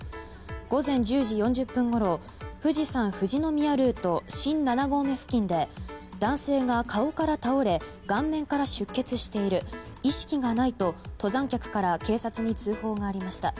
午前１０時４０分ごろ、富士山富士宮ルート新七合目付近で男性が顔から倒れ顔面から出血している意識がないと、登山客から警察に通報がありました。